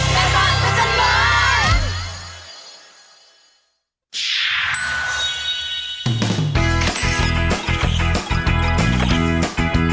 แม่บ้านพระจันทร์บ้าน